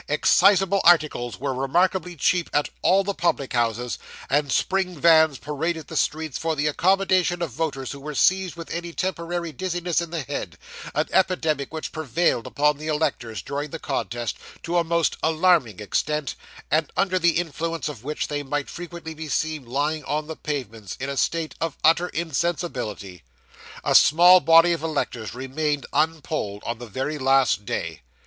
Excisable articles were remarkably cheap at all the public houses; and spring vans paraded the streets for the accommodation of voters who were seized with any temporary dizziness in the head an epidemic which prevailed among the electors, during the contest, to a most alarming extent, and under the influence of which they might frequently be seen lying on the pavements in a state of utter insensibility. A small body of electors remained unpolled on the very last day.